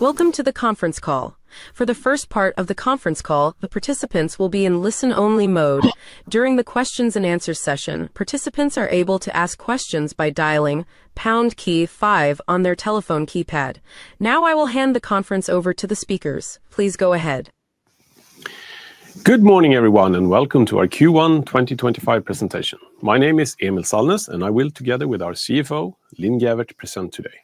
Welcome to the conference call. For the first part of the conference call, the participants will be in listen-only mode. During the Q&A session, participants are able to ask questions by dialing pound key five on their telephone keypad. Now I will hand the conference over to the speakers. Please go ahead. Good morning, everyone, and welcome to our Q1 2025 presentation. My name is Emil Sallnäs, and I will, together with our CFO, Linn Gäfvert, present today.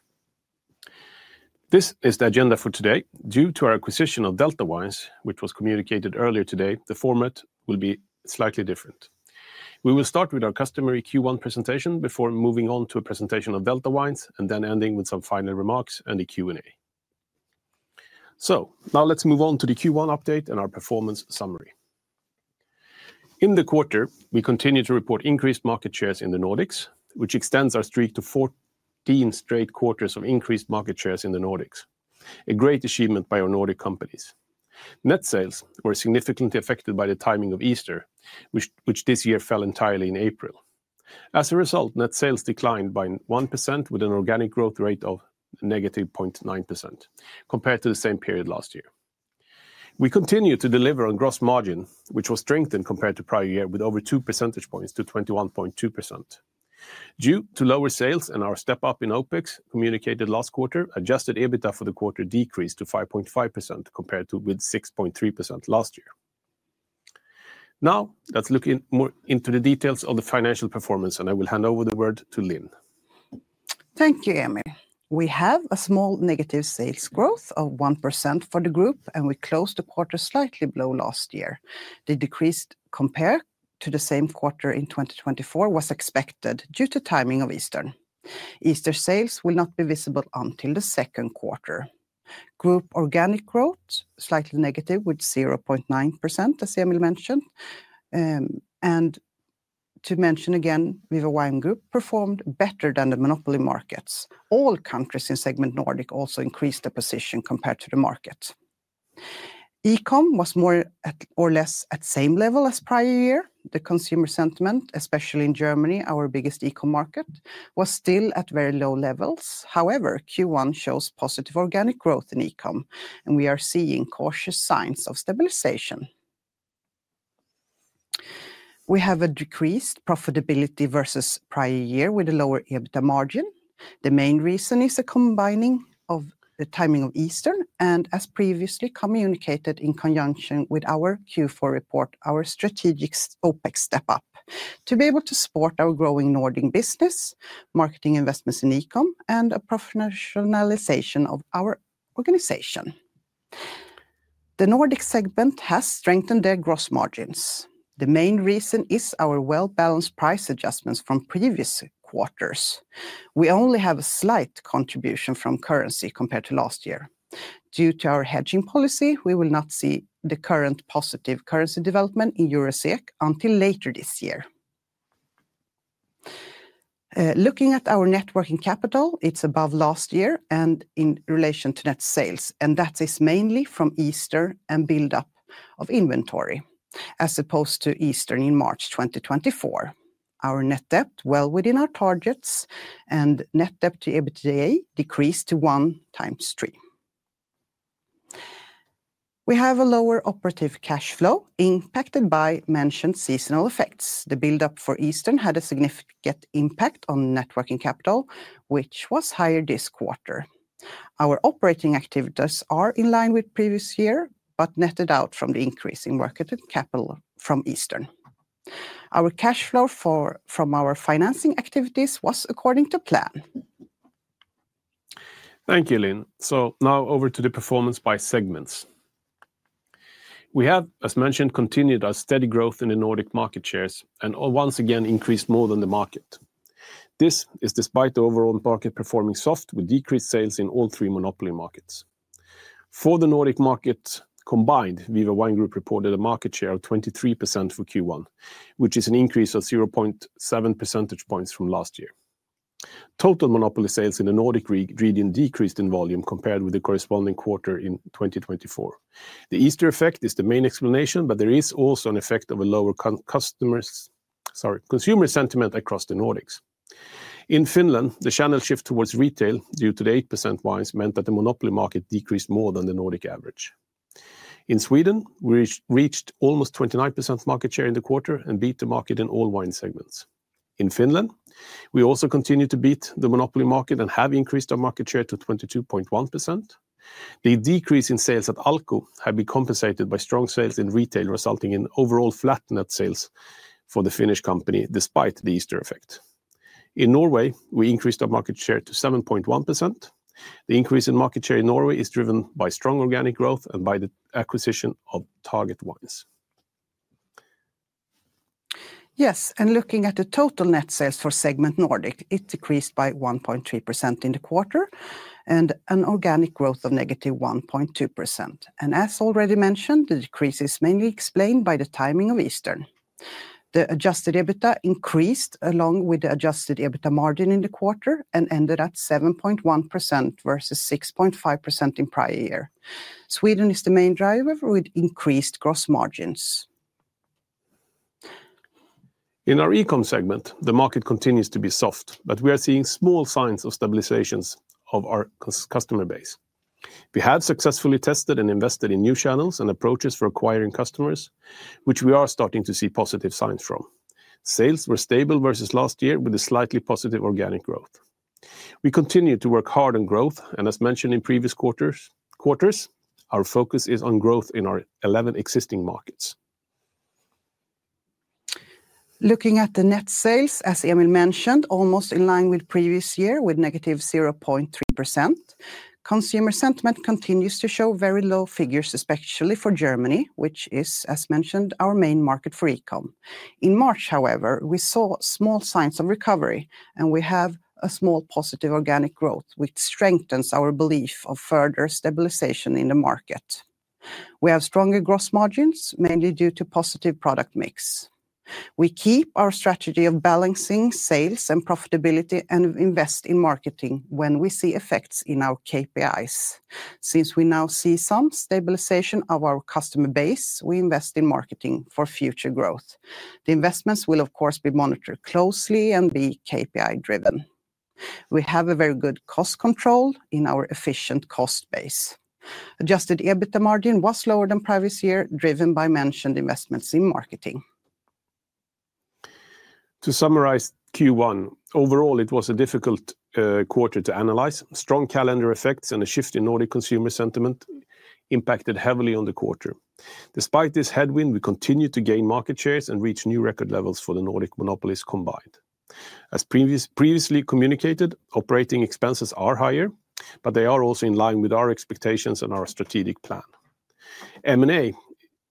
This is the agenda for today. Due to our acquisition of Delta Wines, which was communicated earlier today, the format will be slightly different. We will start with our customary Q1 presentation before moving on to a presentation of Delta Wines and then ending with some final remarks and a Q&A. Now let's move on to the Q1 update and our performance summary. In the quarter, we continue to report increased market shares in the Nordics, which extends our streak to 14 straight quarters of increased market shares in the Nordics, a great achievement by our Nordic companies. Net sales were significantly affected by the timing of Easter, which this year fell entirely in April. As a result, net sales declined by 1% with an organic growth rate of -0.9% compared to the same period last year. We continue to deliver on gross margin, which was strengthened compared to prior year with over 2 percentage points to 21.2%. Due to lower sales and our step-up in OpEx communicated last quarter, adjusted EBITA for the quarter decreased to 5.5% compared to 6.3% last year. Now let's look more into the details of the financial performance, and I will hand over the word to Linn. Thank you, Emil. We have a small negative sales growth of 1% for the group, and we closed the quarter slightly below last year. The decrease compared to the same quarter in 2024 was expected due to timing of Eastern. Easter sales will not be visible until the second quarter. Group organic growth is slightly negative with 0.9%, as Emil mentioned. To mention again, Viva Wine Group performed better than the monopoly markets. All countries in segment Nordic also increased their position compared to the market. E-com was more or less at the same level as prior year. The consumer sentiment, especially in Germany, our biggest e-com market, was still at very low levels. However, Q1 shows positive organic growth in e-com, and we are seeing cautious signs of stabilization. We have a decreased profitability versus prior year with a lower EBITDA margin. The main reason is a combining of the timing of Eastern and, as previously communicated in conjunction with our Q4 report, our strategic OpEx step-up to be able to support our growing Nordic business, marketing investments in e-com, and a professionalization of our organization. The Nordic segment has strengthened their gross margins. The main reason is our well-balanced price adjustments from previous quarters. We only have a slight contribution from currency compared to last year. Due to our hedging policy, we will not see the current positive currency development in EUR and SEK until later this year. Looking at our net working capital, it's above last year and in relation to net sales, and that is mainly from Easter and build-up of inventory as opposed to Easter in March 2024. Our net debt is well within our targets, and net debt to EBITDA decreased to 1.3 times. We have a lower operative cash flow impacted by mentioned seasonal effects. The build-up for Eastern had a significant impact on net working capital, which was higher this quarter. Our operating activities are in line with previous year but netted out from the increase in net working capital from Eastern. Our cash flow from our financing activities was according to plan. Thank you, Linn. Now over to the performance by segments. We have, as mentioned, continued our steady growth in the Nordic market shares and once again increased more than the market. This is despite the overall market performing soft with decreased sales in all three monopoly markets. For the Nordic market combined, Viva Wine Group reported a market share of 23% for Q1, which is an increase of 0.7 percentage points from last year. Total monopoly sales in the Nordic region decreased in volume compared with the corresponding quarter in 2024. The Easter effect is the main explanation, but there is also an effect of a lower consumer sentiment across the Nordics. In Finland, the channel shift towards retail due to the 8% wines meant that the monopoly market decreased more than the Nordic average. In Sweden, we reached almost 29% market share in the quarter and beat the market in all wine segments. In Finland, we also continue to beat the monopoly market and have increased our market share to 22.1%. The decrease in sales at Alko has been compensated by strong sales in retail, resulting in overall flat net sales for the Finnish company despite the Easter effect. In Norway, we increased our market share to 7.1%. The increase in market share in Norway is driven by strong organic growth and by the acquisition of Target Wines. Yes, and looking at the total net sales for segment Nordic, it decreased by 1.3% in the quarter and an organic growth of -1.2%. As already mentioned, the decrease is mainly explained by the timing of Eastern. The adjusted EBITDA increased along with the adjusted EBITDA margin in the quarter and ended at 7.1% versus 6.5% in prior year. Sweden is the main driver with increased gross margins. In our e-com segment, the market continues to be soft, but we are seeing small signs of stabilization of our customer base. We have successfully tested and invested in new channels and approaches for acquiring customers, which we are starting to see positive signs from. Sales were stable versus last year with a slightly positive organic growth. We continue to work hard on growth, and as mentioned in previous quarters, our focus is on growth in our 11 existing markets. Looking at the net sales, as Emil mentioned, almost in line with previous year with -0.3%, consumer sentiment continues to show very low figures, especially for Germany, which is, as mentioned, our main market for e-com. In March, however, we saw small signs of recovery, and we have a small positive organic growth, which strengthens our belief of further stabilization in the market. We have stronger gross margins, mainly due to positive product mix. We keep our strategy of balancing sales and profitability and invest in marketing when we see effects in our KPIs. Since we now see some stabilization of our customer base, we invest in marketing for future growth. The investments will, of course, be monitored closely and be KPI-driven. We have a very good cost control in our efficient cost base. Adjusted EBITDA margin was lower than previous year, driven by mentioned investments in marketing. To summarize Q1, overall, it was a difficult quarter to analyze. Strong calendar effects and a shift in Nordic consumer sentiment impacted heavily on the quarter. Despite this headwind, we continued to gain market shares and reach new record levels for the Nordic monopolies combined. As previously communicated, operating expenses are higher, but they are also in line with our expectations and our strategic plan. M&A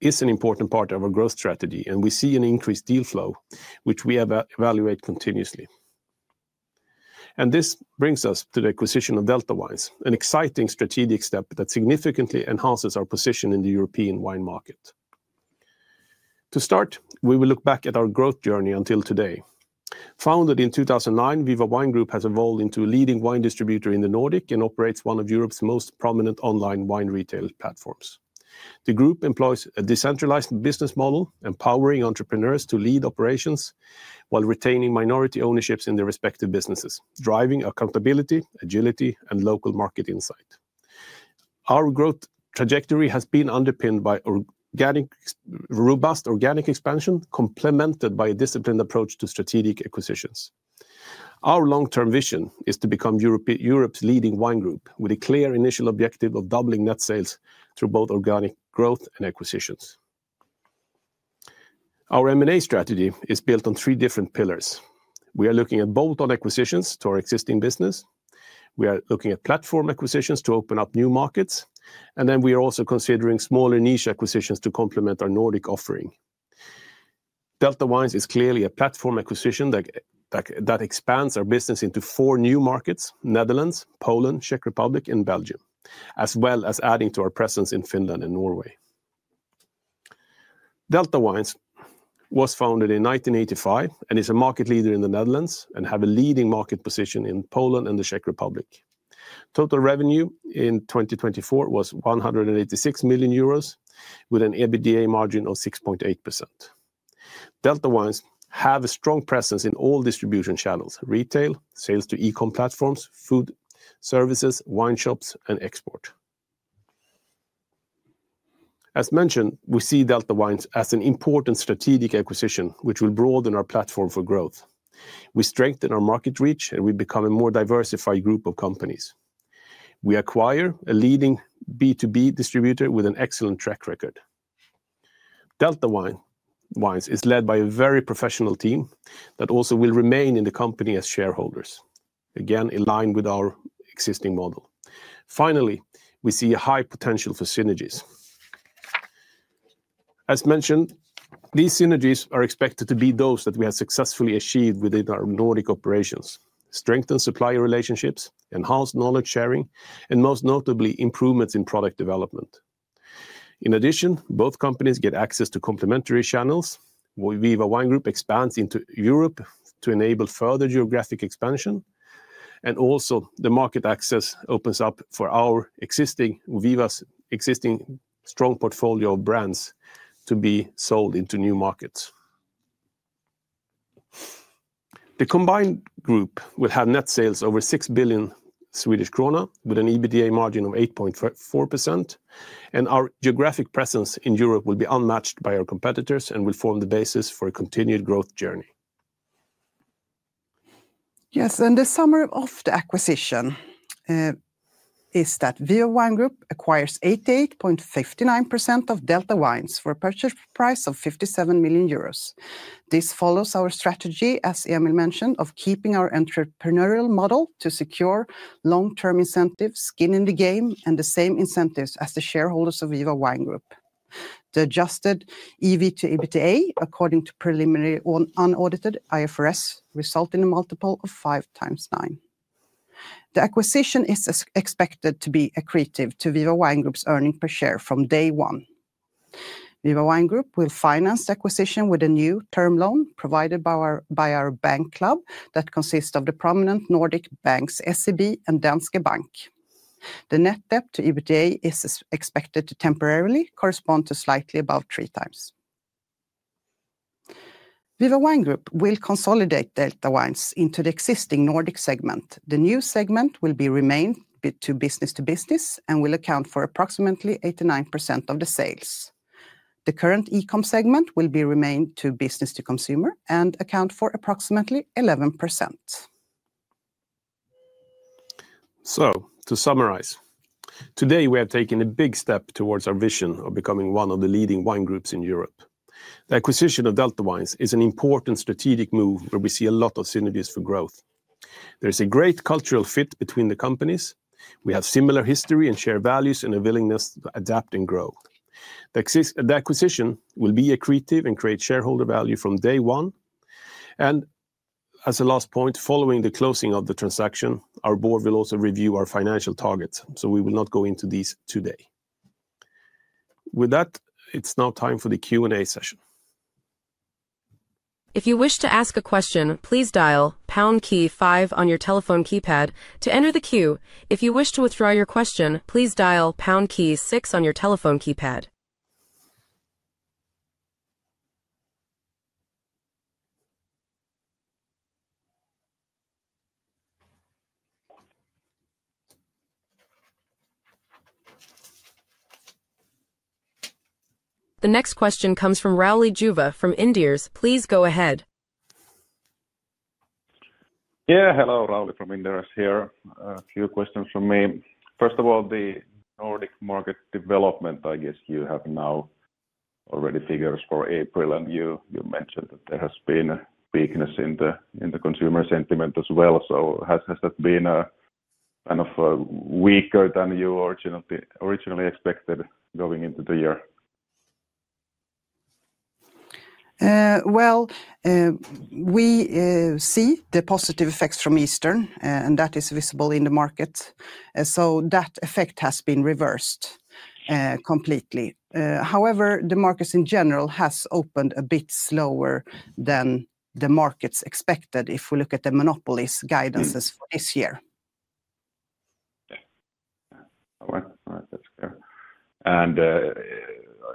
is an important part of our growth strategy, and we see an increased deal flow, which we evaluate continuously. This brings us to the acquisition of Delta Wines, an exciting strategic step that significantly enhances our position in the European wine market. To start, we will look back at our growth journey until today. Founded in 2009, Viva Wine Group has evolved into a leading wine distributor in the Nordic and operates one of Europe's most prominent online wine retail platforms. The group employs a decentralized business model, empowering entrepreneurs to lead operations while retaining minority ownerships in their respective businesses, driving accountability, agility, and local market insight. Our growth trajectory has been underpinned by robust organic expansion, complemented by a disciplined approach to strategic acquisitions. Our long-term vision is to become Europe's leading wine group with a clear initial objective of doubling net sales through both organic growth and acquisitions. Our M&A strategy is built on three different pillars. We are looking at bolt-on acquisitions to our existing business. We are looking at platform acquisitions to open up new markets, and then we are also considering smaller niche acquisitions to complement our Nordic offering. Delta Wines is clearly a platform acquisition that expands our business into four new markets: Netherlands, Poland, Czech Republic, and Belgium, as well as adding to our presence in Finland and Norway. Delta Wines was founded in 1985 and is a market leader in the Netherlands and has a leading market position in Poland and the Czech Republic. Total revenue in 2024 was 186 million euros with an EBITDA margin of 6.8%. Delta Wines has a strong presence in all distribution channels: retail, sales to e-com platforms, food services, wine shops, and export. As mentioned, we see Delta Wines as an important strategic acquisition, which will broaden our platform for growth. We strengthen our market reach, and we become a more diversified group of companies. We acquire a leading B2B distributor with an excellent track record. Delta Wines is led by a very professional team that also will remain in the company as shareholders, again in line with our existing model. Finally, we see a high potential for synergies. As mentioned, these synergies are expected to be those that we have successfully achieved within our Nordic operations: strengthened supplier relationships, enhanced knowledge sharing, and most notably, improvements in product development. In addition, both companies get access to complementary channels. Viva Wine Group expands into Europe to enable further geographic expansion, and also the market access opens up for our existing Viva's existing strong portfolio of brands to be sold into new markets. The combined group will have net sales over 6 billion Swedish krona with an EBITDA margin of 8.4%, and our geographic presence in Europe will be unmatched by our competitors and will form the basis for a continued growth journey. Yes, and the summary of the acquisition is that Viva Wine Group acquires 88.59% of Delta Wines for a purchase price of 57 million euros. This follows our strategy, as Emil mentioned, of keeping our entrepreneurial model to secure long-term incentives, skin in the game, and the same incentives as the shareholders of Viva Wine Group. The adjusted EV to EBITDA, according to preliminary unaudited IFRS, results in a multiple of 5.9 times. The acquisition is expected to be accretive to Viva Wine Group's earnings per share from day one. Viva Wine Group will finance the acquisition with a new term loan provided by our bank club that consists of the prominent Nordic banks, SEB and Danske Bank. The net debt to EBITDA is expected to temporarily correspond to slightly above 3 times. Viva Wine Group will consolidate Delta Wines into the existing Nordic segment. The new segment will be renamed to business to business and will account for approximately 89% of the sales. The current e-com segment will be renamed to business to consumer and account for approximately 11%. To summarize, today we have taken a big step towards our vision of becoming one of the leading wine groups in Europe. The acquisition of Delta Wines is an important strategic move where we see a lot of synergies for growth. There is a great cultural fit between the companies. We have similar history and share values and a willingness to adapt and grow. The acquisition will be accretive and create shareholder value from day one. As a last point, following the closing of the transaction, our board will also review our financial targets, so we will not go into these today. With that, it's now time for the Q&A session. If you wish to ask a question, please dial pound key five on your telephone keypad to enter the queue. If you wish to withdraw your question, please dialpound key 6 on your telephone keypad. The next question comes from Rauli Juva from Inderes. Please go ahead. Yeah, hello, Rauli from Inderes here. A few questions for me. First of all, the Nordic market development, I guess you have now already figures for April, and you mentioned that there has been a weakness in the consumer sentiment as well. Has that been kind of weaker than you originally expected going into the year? We see the positive effects from Eastern, and that is visible in the markets. That effect has been reversed completely. However, the markets in general have opened a bit slower than the markets expected if we look at the monopolies' guidances for this year. All right, that's clear.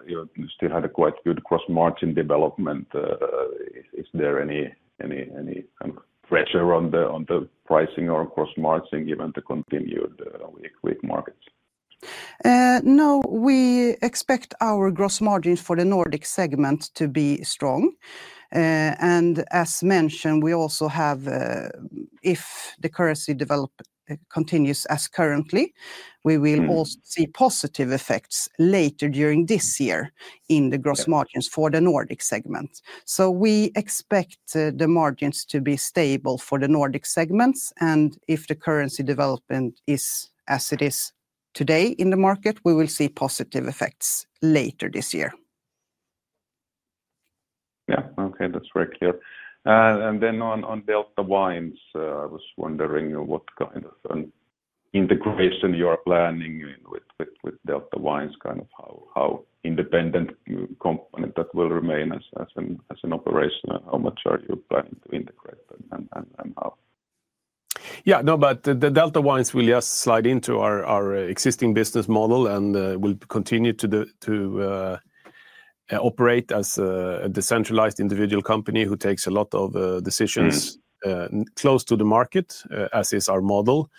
You still had a quite good gross margin development. Is there any kind of pressure on the pricing or gross margin given the continued weak markets? No, we expect our gross margins for the Nordic segment to be strong. As mentioned, we also have, if the currency develop continues as currently, we will also see positive effects later during this year in the gross margins for the Nordic segment. We expect the margins to be stable for the Nordic segments. If the currency development is as it is today in the market, we will see positive effects later this year. Yeah, okay, that's very clear. Then on Delta Wines, I was wondering what kind of integration you are planning with Delta Wines, kind of how independent that will remain as an operation, and how much are you planning to integrate and how? Yeah, no, but Delta Wines will just slide into our existing business model and will continue to operate as a decentralized individual company who takes a lot of decisions close to the market, as is our model.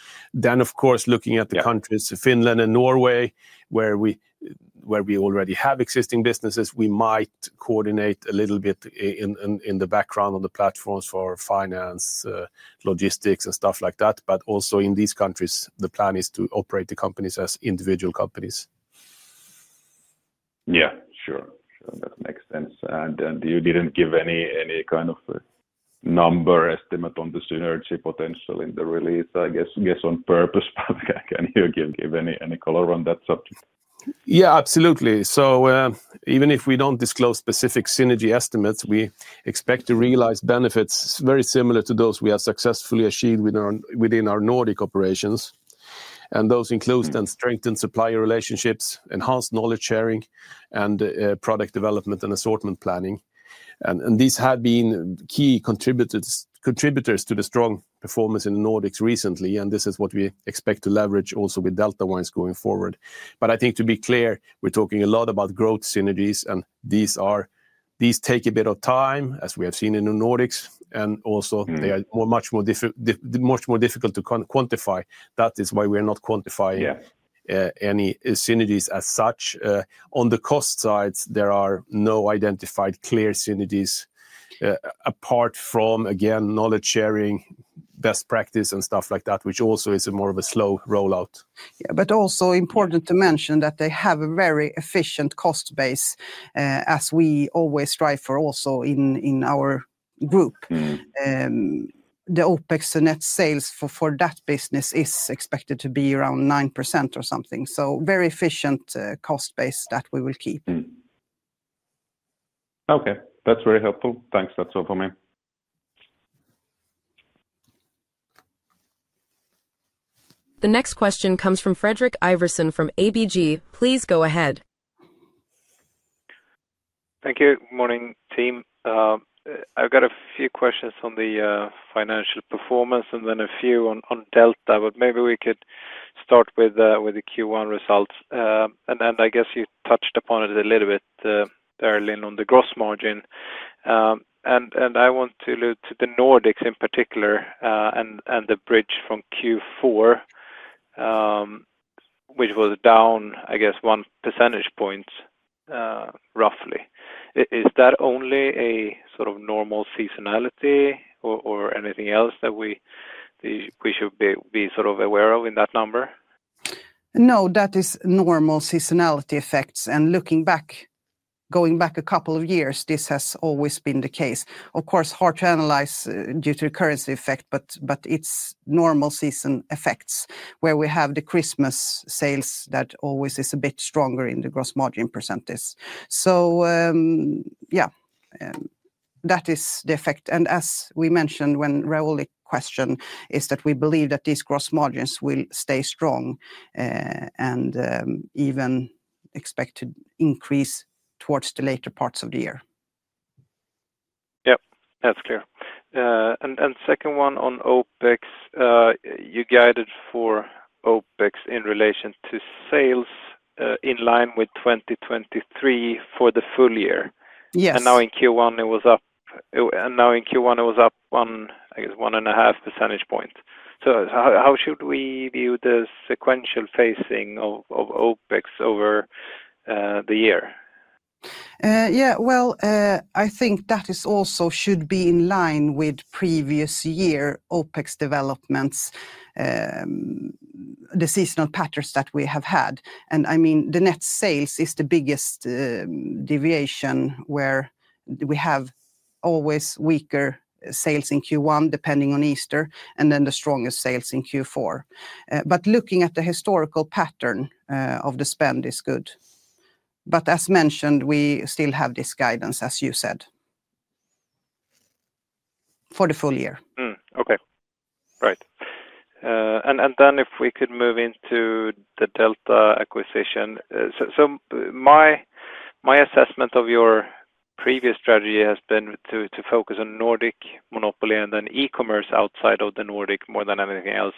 Of course, looking at the countries, Finland and Norway, where we already have existing businesses, we might coordinate a little bit in the background on the platforms for finance, logistics, and stuff like that. Also in these countries, the plan is to operate the companies as individual companies. Yeah, sure, that makes sense. You did not give any kind of number estimate on the synergy potential in the release, I guess, on purpose, but can you give any color on that subject? Yeah, absolutely. Even if we do not disclose specific synergy estimates, we expect to realize benefits very similar to those we have successfully achieved within our Nordic operations. Those include strengthened supplier relationships, enhanced knowledge sharing, and product development and assortment planning. These have been key contributors to the strong performance in the Nordics recently, and this is what we expect to leverage also with Delta Wines going forward. I think to be clear, we are talking a lot about growth synergies, and these take a bit of time, as we have seen in the Nordics, and also they are much more difficult to quantify. That is why we are not quantifying any synergies as such. On the cost side, there are no identified clear synergies apart from, again, knowledge sharing, best practice, and stuff like that, which also is more of a slow rollout. Yeah, but also important to mention that they have a very efficient cost base, as we always strive for also in our group. The OpEx net sales for that business is expected to be around 9% or something. So very efficient cost base that we will keep. Okay, that's very helpful. Thanks, that's all for me. The next question comes from Frederick Iverson from ABG. Please go ahead. Thank you. Good morning, team. I've got a few questions on the financial performance and then a few on Delta, but maybe we could start with the Q1 results. I guess you touched upon it a little bit earlier on the gross margin. I want to allude to the Nordics in particular and the bridge from Q4, which was down, I guess, one percentage point roughly. Is that only a sort of normal seasonality or anything else that we should be sort of aware of in that number? No, that is normal seasonality effects. Looking back, going back a couple of years, this has always been the case. Of course, hard to analyze due to the currency effect, but it is normal season effects where we have the Christmas sales that always is a bit stronger in the gross margin percentage. Yeah, that is the effect. As we mentioned, when Rauli questioned, we believe that these gross margins will stay strong and even expect to increase towards the later parts of the year. Yep, that's clear. The second one on OpEx, you guided for OpEx in relation to sales in line with 2023 for the full year. Now in Q1, it was up, and now in Q1, it was up one, I guess, one and a half percentage points. How should we view the sequential phasing of OpEx over the year? Yeah, I think that also should be in line with previous year OpEx developments, the seasonal patterns that we have had. I mean, the net sales is the biggest deviation where we have always weaker sales in Q1 depending on Easter and then the strongest sales in Q4. Looking at the historical pattern of the spend is good. As mentioned, we still have this guidance, as you said, for the full year. Okay, right. If we could move into the Delta acquisition. My assessment of your previous strategy has been to focus on Nordic monopoly and then e-commerce outside of the Nordic more than anything else.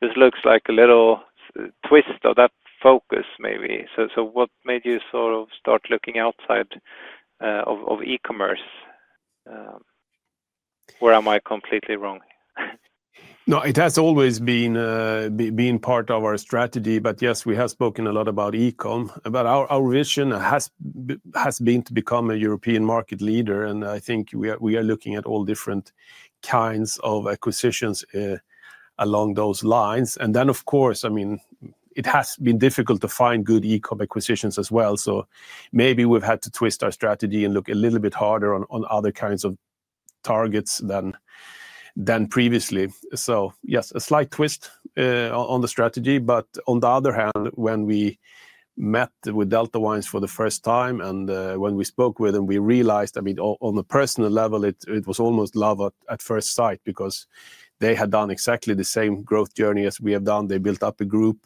This looks like a little twist of that focus maybe. What made you sort of start looking outside of e-commerce? Or am I completely wrong? No, it has always been part of our strategy. Yes, we have spoken a lot about e-com. Our vision has been to become a European market leader. I think we are looking at all different kinds of acquisitions along those lines. Of course, I mean, it has been difficult to find good e-com acquisitions as well. Maybe we've had to twist our strategy and look a little bit harder on other kinds of targets than previously. Yes, a slight twist on the strategy. On the other hand, when we met with Delta Wines for the first time and when we spoke with them, we realized, I mean, on a personal level, it was almost love at first sight because they had done exactly the same growth journey as we have done. They built up a group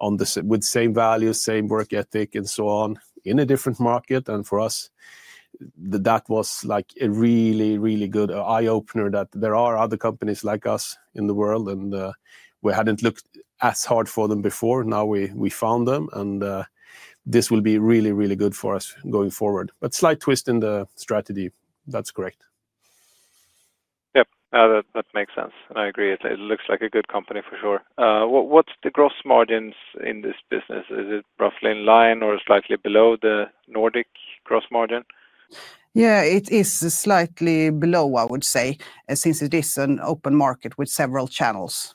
with the same values, same work ethic, and so on in a different market. For us, that was like a really, really good eye-opener that there are other companies like us in the world, and we had not looked as hard for them before. Now we found them, and this will be really, really good for us going forward. Slight twist in the strategy. That is correct. Yep, that makes sense. I agree. It looks like a good company for sure. What's the gross margins in this business? Is it roughly in line or slightly below the Nordic gross margin? Yeah, it is slightly below, I would say, since it is an open market with several channels.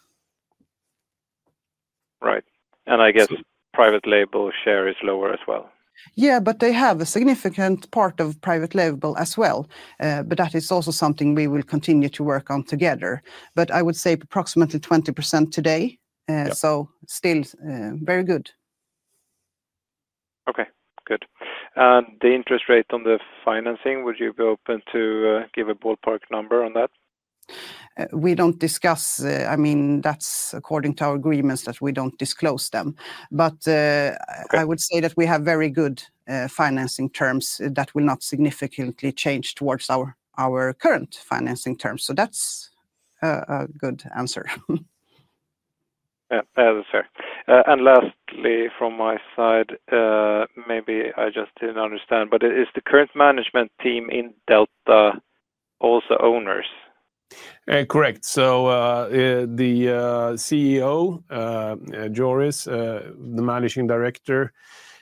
Right. I guess private label share is lower as well. Yeah, but they have a significant part of private label as well. That is also something we will continue to work on together. I would say approximately 20% today. Still very good. Okay, good. The interest rate on the financing, would you be open to give a ballpark number on that? We don't discuss. I mean, that's according to our agreements that we don't disclose them. I would say that we have very good financing terms that will not significantly change towards our current financing terms. That's a good answer. That is fair. Lastly, from my side, maybe I just didn't understand, but is the current management team in Delta also owners? Correct. The CEO, Joris, the Managing Director,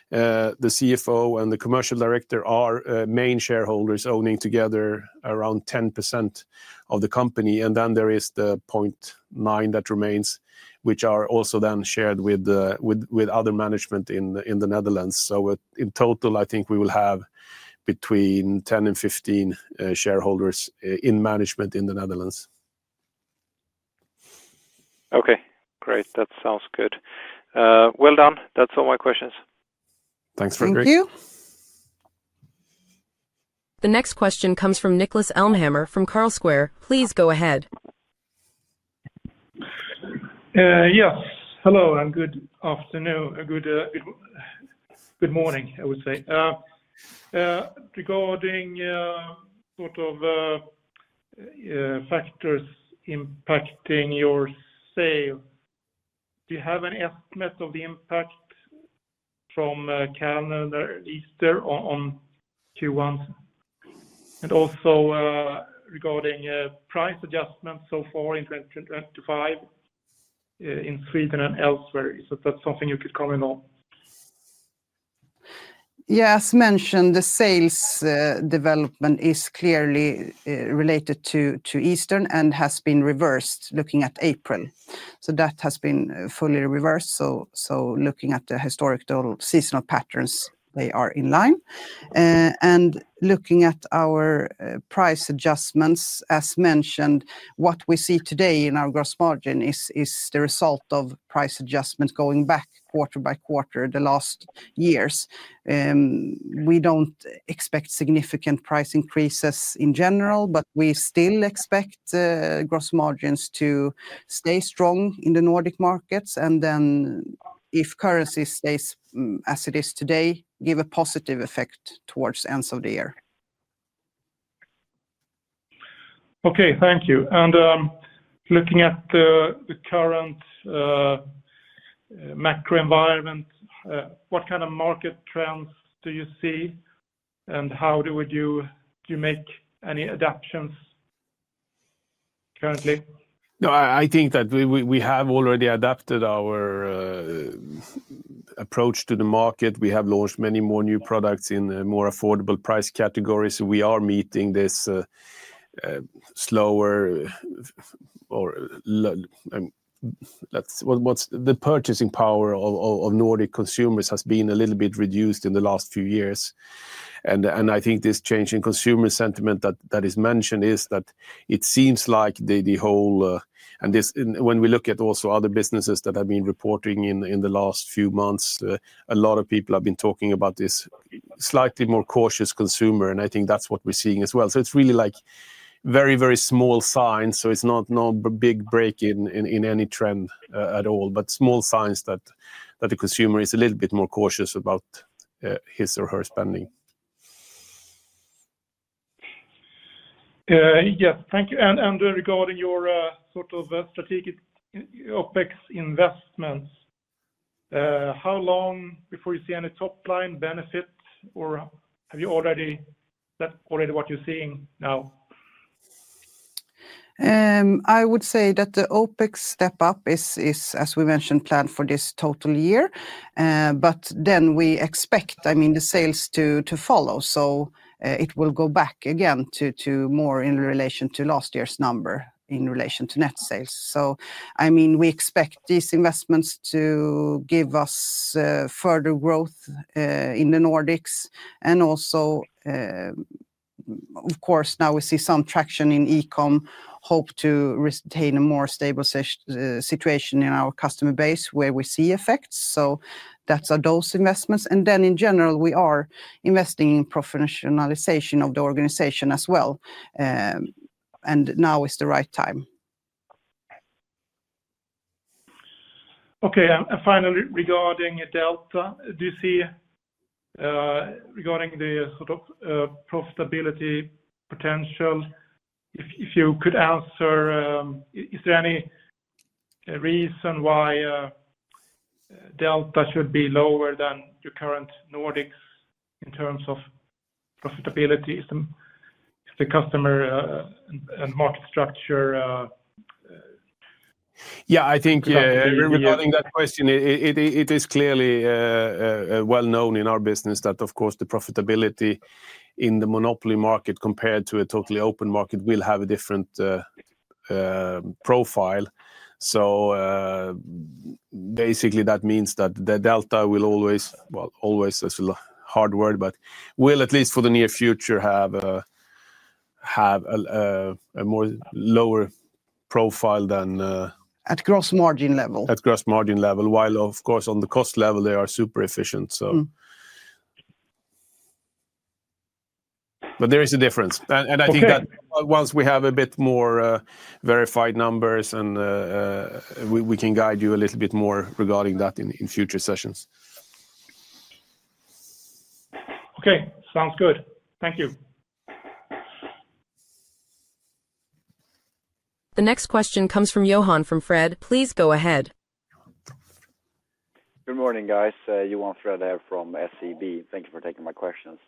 the CFO, and the Commercial Director are main shareholders owning together around 10% of the company. There is the 0.9% that remains, which are also then shared with other management in the Netherlands. In total, I think we will have between 10 and 15 shareholders in management in the Netherlands. Okay, great. That sounds good. Well done. That's all my questions. Thanks, Frederick. Thank you. The next question comes from Niklas Elmhammer from Carlsquare. Please go ahead. Yes, hello, and good afternoon, good morning, I would say. Regarding sort of factors impacting your sales, do you have an estimate of the impact from Canada and Easter on Q1? Also, regarding price adjustments so far in 2025 in Sweden and elsewhere, is that something you could comment on? Yeah, as mentioned, the sales development is clearly related to Eastern and has been reversed looking at April. That has been fully reversed. Looking at the historical seasonal patterns, they are in line. Looking at our price adjustments, as mentioned, what we see today in our gross margin is the result of price adjustments going back quarter by quarter the last years. We do not expect significant price increases in general, but we still expect gross margins to stay strong in the Nordic markets. If currency stays as it is today, it will give a positive effect towards the end of the year. Okay, thank you. Looking at the current macro environment, what kind of market trends do you see? How would you make any adaptations currently? No, I think that we have already adapted our approach to the market. We have launched many more new products in more affordable price categories. We are meeting this slower or the purchasing power of Nordic consumers has been a little bit reduced in the last few years. I think this change in consumer sentiment that is mentioned is that it seems like the whole, and when we look at also other businesses that have been reporting in the last few months, a lot of people have been talking about this slightly more cautious consumer. I think that's what we're seeing as well. It's really like very, very small signs. It's not a big break in any trend at all, but small signs that the consumer is a little bit more cautious about his or her spending. Yes, thank you. Regarding your sort of strategic OpEx investments, how long before you see any top line benefits, or have you already, that already what you're seeing now? I would say that the OpEx step up is, as we mentioned, planned for this total year. We expect, I mean, the sales to follow. It will go back again to more in relation to last year's number in relation to net sales. I mean, we expect these investments to give us further growth in the Nordics. Also, of course, now we see some traction in e-com, hope to retain a more stable situation in our customer base where we see effects. That is our dose investments. In general, we are investing in professionalization of the organization as well. Now is the right time. Okay, and finally, regarding Delta, do you see regarding the sort of profitability potential, if you could answer, is there any reason why Delta should be lower than your current Nordics in terms of profitability? Is the customer and market structure? Yeah, I think regarding that question, it is clearly well known in our business that, of course, the profitability in the monopoly market compared to a totally open market will have a different profile. Basically, that means that Delta will always, well, always is a hard word, but will at least for the near future have a more lower profile than. At gross margin level. At gross margin level, while of course on the cost level, they are super efficient. There is a difference. I think that once we have a bit more verified numbers, we can guide you a little bit more regarding that in future sessions. Okay, sounds good. Thank you. The next question comes from Johan Fred. Please go ahead. Good morning, guys. Johan Fred there from SEB. Thank you for taking my questions.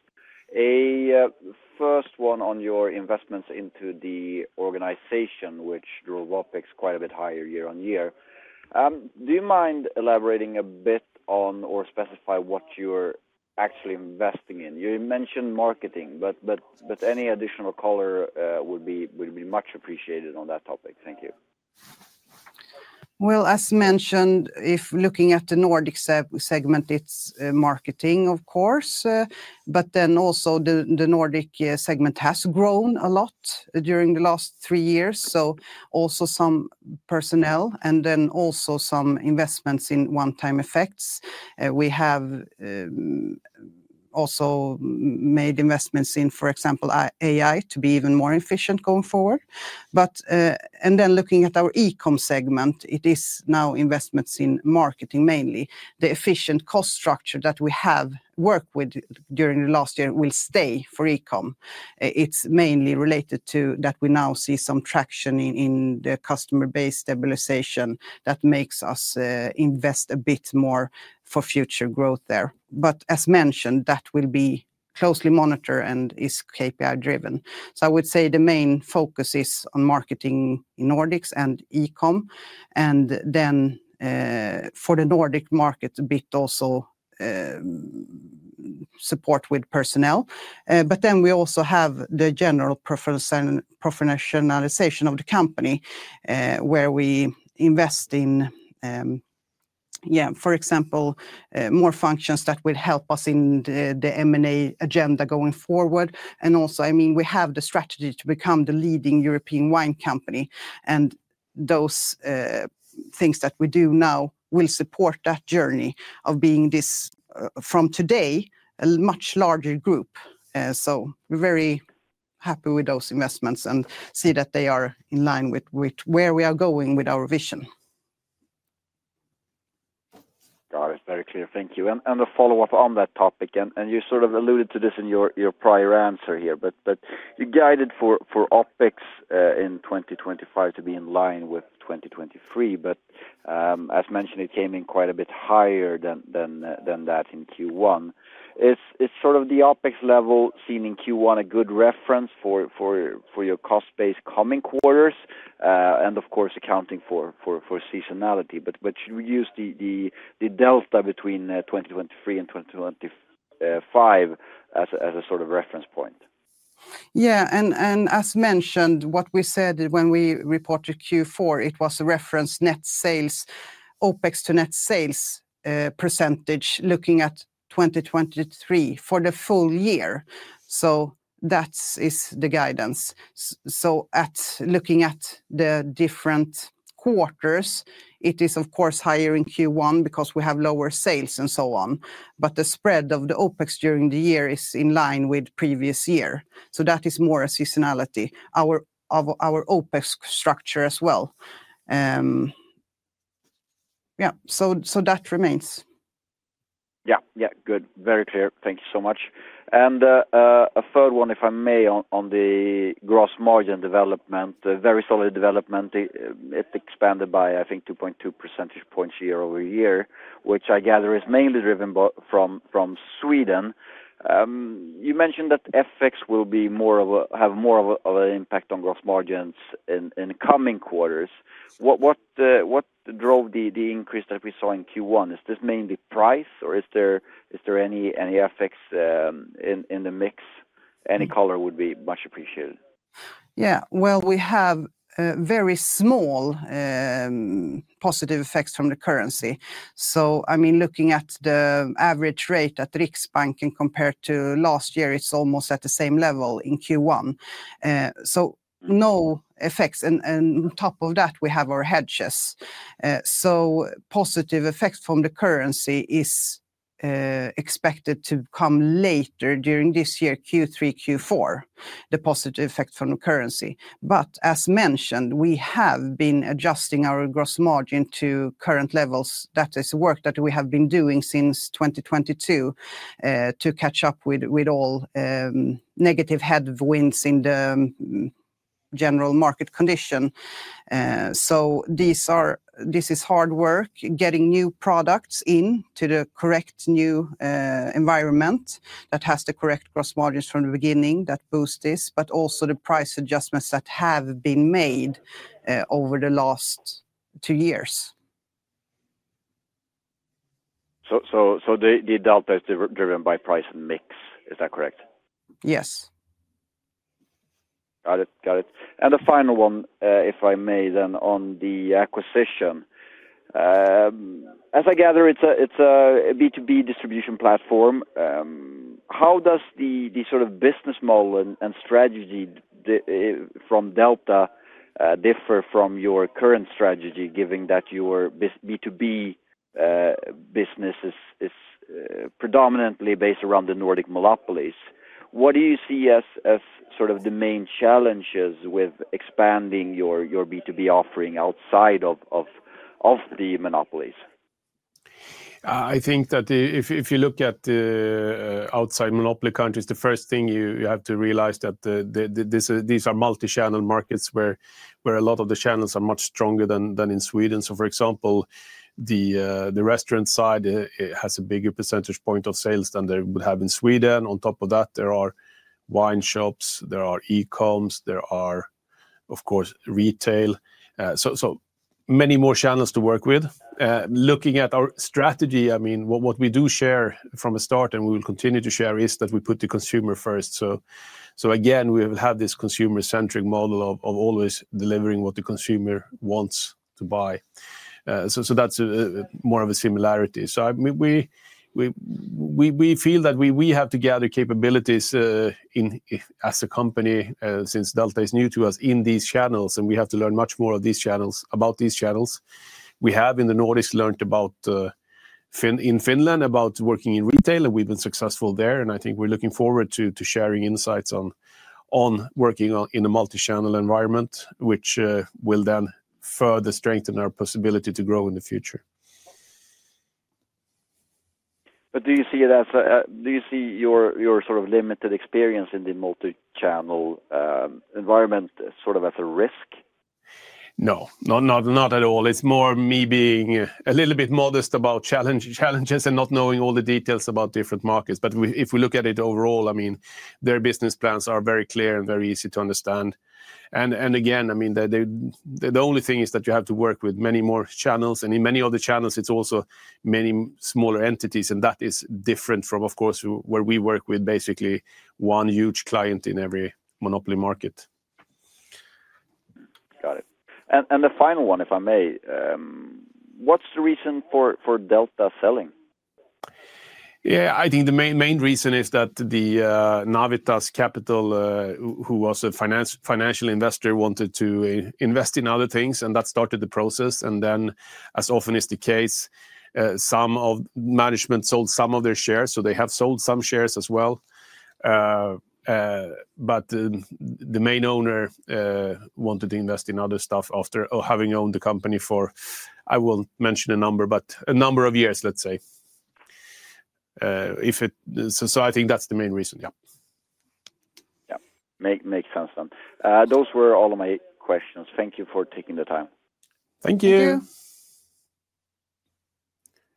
A first one on your investments into the organization, which drove OpEx quite a bit higher year on year. Do you mind elaborating a bit on or specify what you're actually investing in? You mentioned marketing, but any additional color would be much appreciated on that topic. Thank you. As mentioned, if looking at the Nordic segment, it is marketing, of course. The Nordic segment has grown a lot during the last three years, so also some personnel and some investments in one-time effects. We have also made investments in, for example, AI to be even more efficient going forward. Looking at our e-com segment, it is now investments in marketing mainly. The efficient cost structure that we have worked with during the last year will stay for e-com. It is mainly related to that we now see some traction in the customer base stabilization that makes us invest a bit more for future growth there. As mentioned, that will be closely monitored and is KPI-driven. I would say the main focus is on marketing in Nordics and e-com. For the Nordic market, a bit also support with personnel. We also have the general professionalization of the company where we invest in, yeah, for example, more functions that will help us in the M&A agenda going forward. I mean, we have the strategy to become the leading European wine company. Those things that we do now will support that journey of being this from today, a much larger group. We are very happy with those investments and see that they are in line with where we are going with our vision. Got it. Very clear. Thank you. A follow-up on that topic. You sort of alluded to this in your prior answer here, but you guided for OpEx in 2025 to be in line with 2023. As mentioned, it came in quite a bit higher than that in Q1. Is sort of the OpEx level seen in Q1 a good reference for your cost base coming quarters? Of course, accounting for seasonality. Should we use the Delta between 2023 and 2025 as a sort of reference point? Yeah. As mentioned, what we said when we reported Q4, it was a reference net sales, OpEx to net sales percentage looking at 2023 for the full year. That is the guidance. Looking at the different quarters, it is of course higher in Q1 because we have lower sales and so on. The spread of the OpEx during the year is in line with previous year. That is more a seasonality. Our OpEx structure as well. Yeah. That remains. Yeah. Yeah. Good. Very clear. Thank you so much. A third one, if I may, on the gross margin development, very solid development. It expanded by, I think, 2.2 percentage points year-over-year, which I gather is mainly driven from Sweden. You mentioned that FX will have more of an impact on gross margins in coming quarters. What drove the increase that we saw in Q1? Is this mainly price or is there any FX in the mix? Any color would be much appreciated. Yeah. We have very small positive effects from the currency. I mean, looking at the average rate at Riksbanken compared to last year, it is almost at the same level in Q1. No effects. On top of that, we have our hedges. Positive effects from the currency are expected to come later during this year, Q3, Q4, the positive effect from the currency. As mentioned, we have been adjusting our gross margin to current levels. That is work that we have been doing since 2022 to catch up with all negative headwinds in the general market condition. This is hard work, getting new products into the correct new environment that has the correct gross margins from the beginning that boost this, but also the price adjustments that have been made over the last two years. The Delta is driven by price mix. Is that correct? Yes. Got it. Got it. The final one, if I may, then on the acquisition. As I gather, it's a B2B distribution platform. How does the sort of business model and strategy from Delta differ from your current strategy, given that your B2B business is predominantly based around the Nordic monopolies? What do you see as sort of the main challenges with expanding your B2B offering outside of the monopolies? I think that if you look at the outside monopoly countries, the first thing you have to realize is that these are multi-channel markets where a lot of the channels are much stronger than in Sweden. For example, the restaurant side has a bigger percentage point of sales than they would have in Sweden. On top of that, there are wine shops, there are e-coms, there are of course retail. Many more channels to work with. Looking at our strategy, I mean, what we do share from the start and we will continue to share is that we put the consumer first. Again, we have had this consumer-centric model of always delivering what the consumer wants to buy. That is more of a similarity. We feel that we have to gather capabilities as a company since Delta is new to us in these channels. We have to learn much more about these channels. We have in the Nordics learned in Finland about working in retail, and we've been successful there. I think we're looking forward to sharing insights on working in a multi-channel environment, which will then further strengthen our possibility to grow in the future. Do you see your sort of limited experience in the multi-channel environment sort of as a risk? No. Not at all. It's more me being a little bit modest about challenges and not knowing all the details about different markets. If we look at it overall, I mean, their business plans are very clear and very easy to understand. Again, I mean, the only thing is that you have to work with many more channels. In many other channels, it's also many smaller entities. That is different from, of course, where we work with basically one huge client in every monopoly market. Got it. The final one, if I may, what's the reason for Delta selling? Yeah. I think the main reason is that Navitas Capital, who was a financial investor, wanted to invest in other things. That started the process. Then, as often is the case, some of management sold some of their shares. They have sold some shares as well. The main owner wanted to invest in other stuff after having owned the company for, I will not mention a number, but a number of years, let's say. I think that is the main reason. Yeah. Yeah. Makes sense then. Those were all of my questions. Thank you for taking the time. Thank you. Thank you.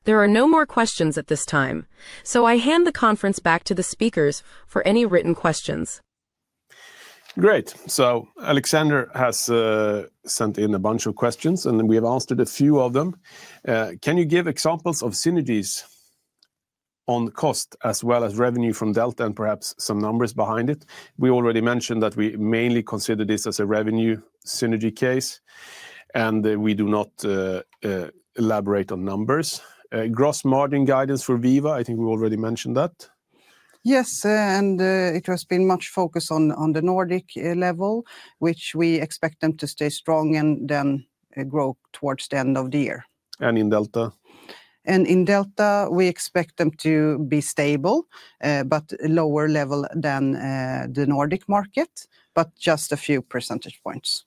There are no more questions at this time. I hand the conference back to the speakers for any written questions. Great. Alexander has sent in a bunch of questions, and we have answered a few of them. Can you give examples of synergies on cost as well as revenue from Delta and perhaps some numbers behind it? We already mentioned that we mainly consider this as a revenue synergy case, and we do not elaborate on numbers. Gross margin guidance for Viva, I think we already mentioned that. Yes. It has been much focus on the Nordic level, which we expect them to stay strong and then grow towards the end of the year. In Delta? In Delta, we expect them to be stable, but lower level than the Nordic market, but just a few percentage points.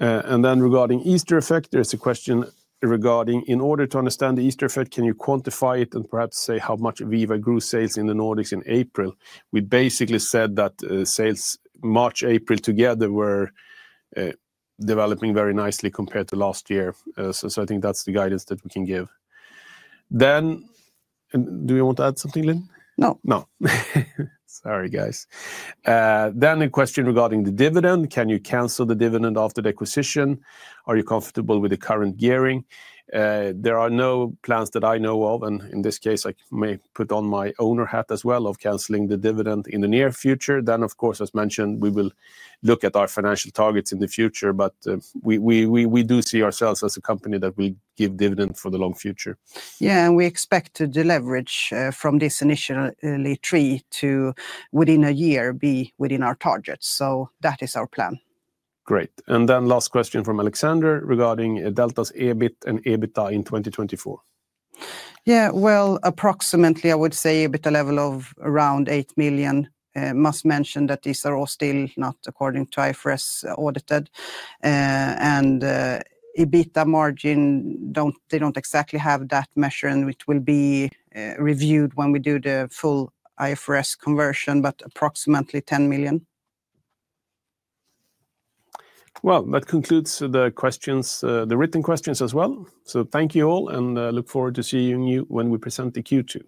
Regarding Easter Effect, there is a question regarding, in order to understand the Easter Effect, can you quantify it and perhaps say how much Viva grew sales in the Nordics in April? We basically said that sales March, April together were developing very nicely compared to last year. I think that is the guidance that we can give. Do we want to add something, Linn? No. No. Sorry, guys. A question regarding the dividend. Can you cancel the dividend after the acquisition? Are you comfortable with the current gearing? There are no plans that I know of. In this case, I may put on my owner hat as well of canceling the dividend in the near future. Of course, as mentioned, we will look at our financial targets in the future, but we do see ourselves as a company that will give dividend for the long future. Yeah. We expect to deleverage from this initial three to within a year be within our targets. That is our plan. Great. Then last question from Alexander regarding Delta's EBIT and EBITA in 2024. Yeah. Approximately, I would say EBITA level of around 8 million. I must mention that these are all still not according to IFRS audited. EBITA margin, they do not exactly have that measure, and it will be reviewed when we do the full IFRS conversion, but approximately 10 million. That concludes the questions, the written questions as well. Thank you all and look forward to seeing you when we present the Q2.